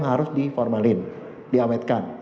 harus diformalin diametkan